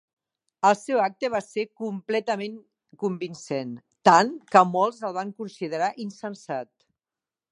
El seu acte va ser completament convincent, tant que molts el van considerar insensat.